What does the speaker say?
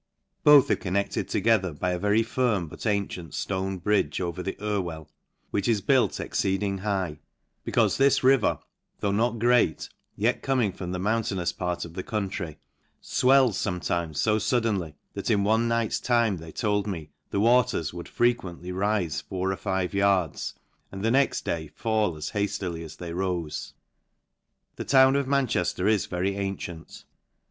Both are connected together by a very firm but ancient ftone bridge over the Ir well, which is built exceeding high, becaufe this river, though not great, yet coming from the moun tainous part of the country, fweils fometimes (o fuddenly, that in one night's time they told me the waters would frequently rife four or five yards, and the next day fall as haftily as they rofe. The town of Manchejler is very antient.